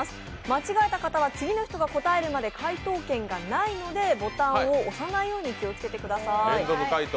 間違えた方は次の人が答えるまで回答権がないのでボタンを押さないように気をつけてください。